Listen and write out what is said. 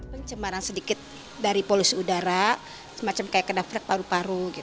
pencemaran sedikit dari polusi udara semacam kayak kedaftar paru paru